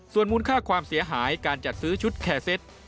ส่วนมูลค่าความเสียหายการจัดซื้อชุดแคร์เซ็ต